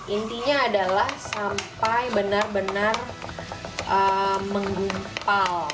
intinya adalah sampai benar benar menggumpal